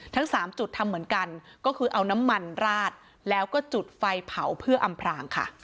ทั้งสามจุดทำเหมือนกันก็คือเอาน้ำมันราดแล้วก็จุดไฟเผาเพื่ออำพรางค่ะ